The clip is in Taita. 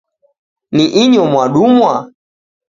Ni inyo mwadumwa?